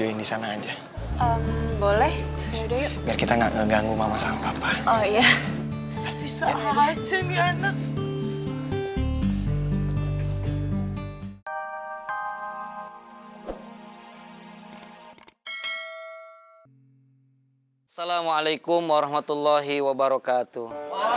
waalaikumsalam warahmatullahi wabarakatuh